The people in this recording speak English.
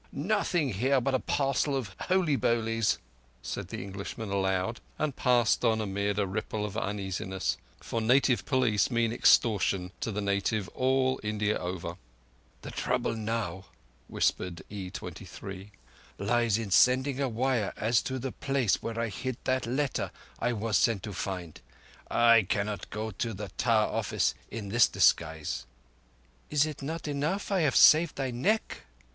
"Nothing here but a parcel of holy bolies," said the Englishman aloud, and passed on amid a ripple of uneasiness; for native police mean extortion to the native all India over. "The trouble now," whispered E23, "lies in sending a wire as to the place where I hid that letter I was sent to find. I cannot go to the tar office in this guise." "Is it not enough I have saved thy neck?"